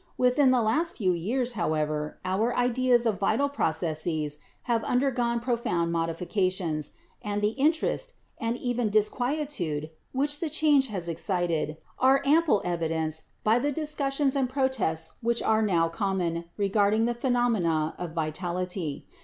Within the last few years, however, our ideas of vital processes have undergone profound modifications ; and the interest, and even disquietude, which the change has excited are 26 BIOLOGY amply evidenced by the discussions and protests which are now common, regarding the phenomena of vitality.